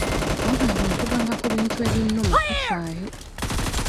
Wabula bwe nkugamba ku bintu ebinnuma tofaayo.